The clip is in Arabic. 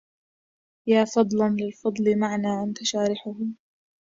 يا فضل للفضل معنى أنت شارحه